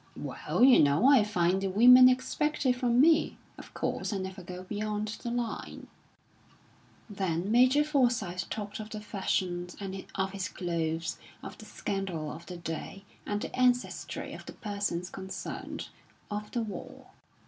"Well, you know, I find the women expect it from me. Of course, I never go beyond the line." Then Major Forsyth talked of the fashions, and of his clothes, of the scandal of the day, and the ancestry of the persons concerned, of the war.